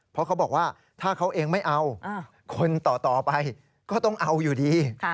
เพราะเขาบอกว่าถ้าเขาเองไม่เอาคนต่อไปก็ต้องเอาอยู่ดี